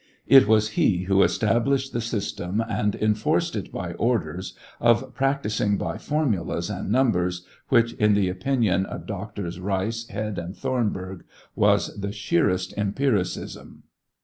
It was he who established the system, and enforced it by orders, of practicing By formulas and numbers, which, in the opinion of Drs. Rice, Head, and Thornburgh was the sheerest empiricism.